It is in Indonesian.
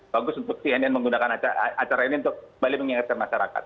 bagus untuk cnn menggunakan acara ini untuk balik mengingatkan masyarakat